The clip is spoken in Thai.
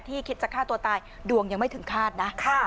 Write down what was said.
คิดจะฆ่าตัวตายดวงยังไม่ถึงคาดนะ